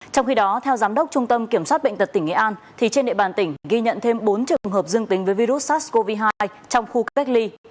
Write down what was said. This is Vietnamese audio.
trong khi đó theo giám đốc trung tâm kiểm soát bệnh tật tỉnh nghệ an trên địa bàn tỉnh ghi nhận thêm bốn trường hợp dương tính với virus sars cov hai trong khu cách ly